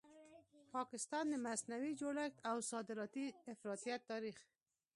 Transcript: پاکستان؛ د مصنوعي جوړښت او صادراتي افراطیت تاریخ